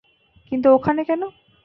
কিন্তু ওখানে কেন?